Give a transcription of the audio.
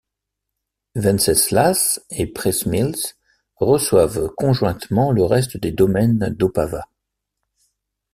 Venceslas et Přemysl reçoivent conjointement le reste des domaines d'Opava.